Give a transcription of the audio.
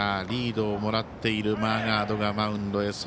リードをもらっているマーガードがマウンドへ。